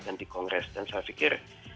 dan di kongres dan saya pikir